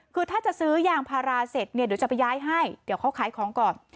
คือถ้าจะซื้อยางพาราเสร็จเนี่ยเดี๋ยวจะไปย้ายให้เดี๋ยวเขาขายของก่อน